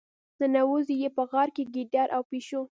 ننوزي یې په غار کې ګیدړ او پيشو.